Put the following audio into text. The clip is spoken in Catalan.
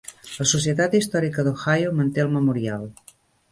La Societat Històrica d'Ohio manté el memorial.